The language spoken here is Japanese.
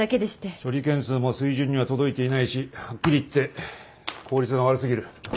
処理件数も水準には届いていないしはっきり言って効率が悪すぎる。